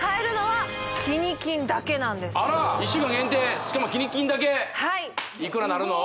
しかもキニ金だけはいいくらなるの？